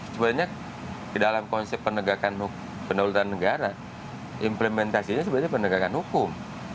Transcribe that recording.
sebenarnya di dalam konsep penegakan negara implementasinya sebenarnya penegakan hukum